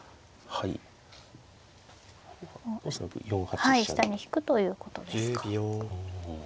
はい下に引くということですか。